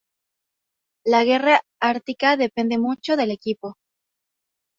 La guerra ártica depende mucho del equipo.